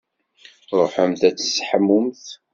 Ṛuḥemt ad tseḥmumt.